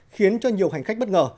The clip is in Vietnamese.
khiến cho nhiều hành khách bất ngờ